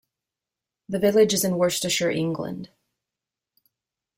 The village is in Worcestershire, England.